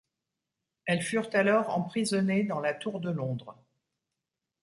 Elles furent alors emprisonnées dans la Tour de Londres.